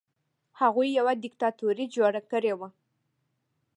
هغوی یوه دیکتاتوري جوړه کړې وه.